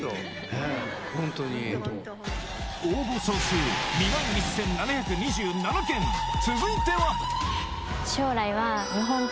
応募総数２万１７２７件続いては将来は。